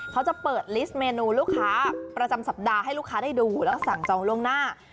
เขาจะเปิดลิสต์เมนูลูกค้าประจำสัปดาห์ให้ลูกค้าได้ดูแล้วก็สั่งจองล่วงหน้า